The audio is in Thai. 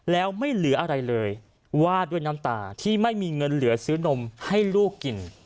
แล้วไม่เหลืออะไรเลยวาดด้วยน้ำตาที่ไม่มีเงินเหลือซื้อนมให้ลูกกิน